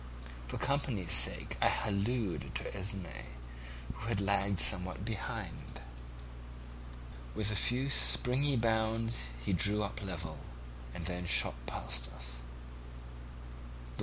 For company's sake I hulloed to Esmé, who had lagged somewhat behind. With a few springy bounds he drew up level, and then shot past us.